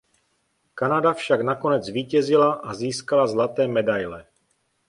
Kanada však nakonec zvítězila a získala zlaté medaile.